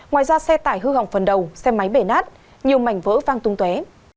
ngoài ra xe tải hư hỏng phần đầu xe máy bể nát nhiều mảnh vỡ vang tung tué